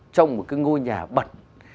trong một cái ngôi nhà bẩn